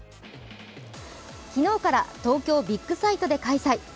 昨日から東京ビッグサイトで開催。